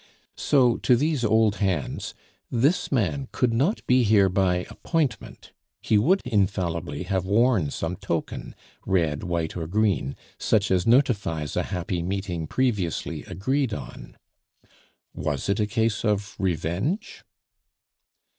So, to these old hands, this man could not be here by appointment; he would infallibly have worn some token, red, white, or green, such as notifies a happy meeting previously agreed on. Was it a case of revenge?